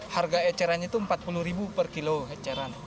harga ecerannya itu rp empat puluh per kilo eceran